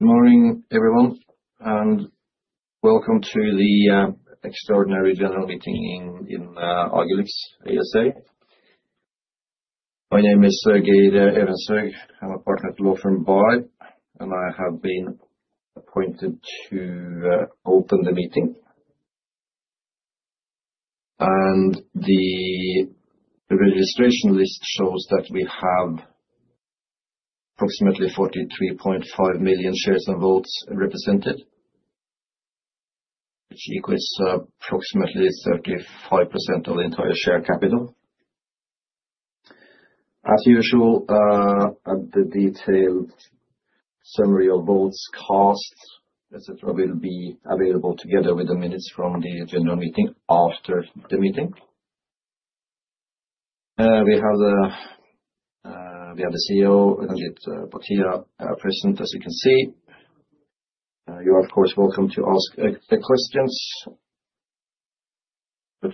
Morning everyone, welcome to the Extraordinary General Meeting in Agilyx ASA. My name is Kjersti T. Trøbråten. I'm a Partner at law firm BAHR, I have been appointed to open the meeting. The registration list shows that we have approximately 43.5 million shares and votes represented, which equals approximately 35% of the entire share capital. As usual, the detailed summary of votes cast, et cetera, will be available together with the minutes from the general meeting after the meeting. We have the CEO, Ranjeet Bhatia, present as you can see. You are of course welcome to ask questions,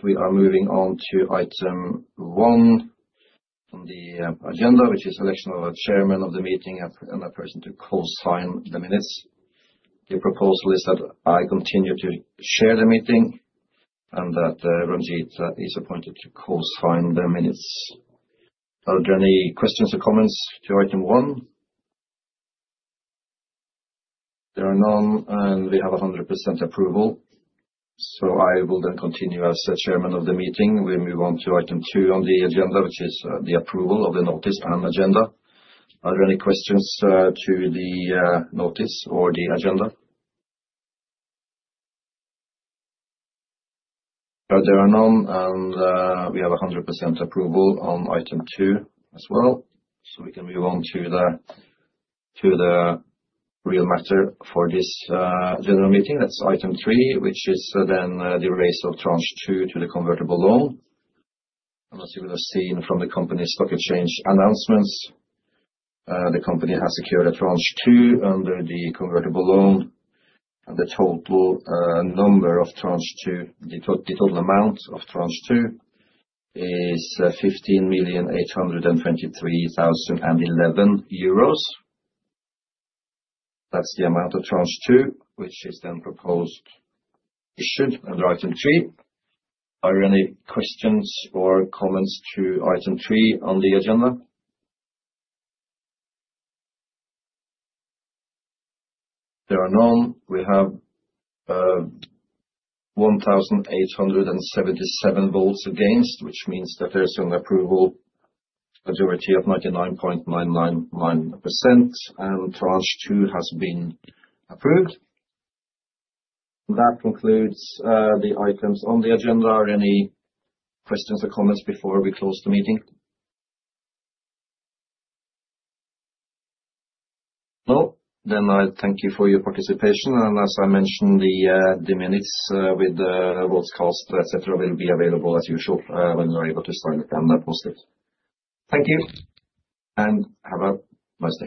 we are moving on to item one on the agenda, which is election of a chairman of the meeting and a person to co-sign the minutes. The proposal is that I continue to chair the meeting, and that Ranjeet is appointed to co-sign the minutes. Are there any questions or comments to item one? There are none, we have 100% approval, I will then continue as the chairman of the meeting. We move on to item two on the agenda, which is the approval of the notice and agenda. Are there any questions to the notice or the agenda? There are none, we have 100% approval on item two as well. We can move on to the real matter for this general meeting. That's item three, which is then the raise of tranche two to the convertible loan. As you will have seen from the company's stock exchange announcements, the company has secured a tranche two under the convertible loan. The total amount of tranche two is EUR 15,823,011. That's the amount of tranche two which is then proposed issued under item three. Are there any questions or comments to item three on the agenda? There are none. We have 1,877 votes against, which means that there's an approval majority of 99.999%, and tranche two has been approved. That concludes the items on the agenda. Are there any questions or comments before we close the meeting? No? I thank you for your participation. As I mentioned, the minutes, with the votes cast, et cetera, will be available as usual, when you are able to sign it and post it. Thank you, and have a nice day.